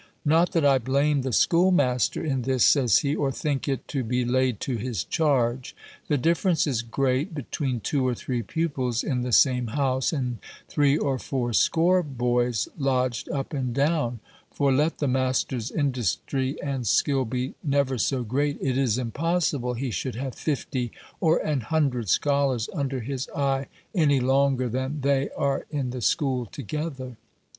Not that I blame the schoolmaster in this," says he, "or think it to be laid to his charge. The difference is great between two or three pupils in the same house, and three or four score boys lodged up and down; for, let the master's industry and skill be never so great, it is impossible he should have fifty or an hundred scholars under his eye any longer than they are in the school together."